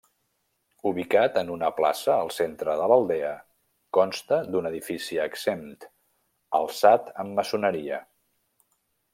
Ubicat en una plaça al centre de l'aldea, consta d'un edifici exempt, alçat amb maçoneria.